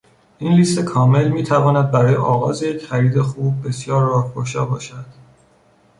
این لیست کامل می تواند برای آغاز یک خرید خوب، بسیار راهگشا باشد.